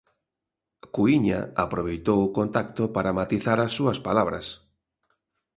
Cuíña aproveitou o contacto para matizar as súas palabras.